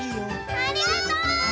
ありがとう！